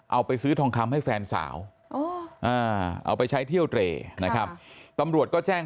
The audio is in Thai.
เอาไปซื้อทองคำให้แฟนสาวเอาไปใช้เที่ยวเตรนะครับตำรวจก็แจ้ง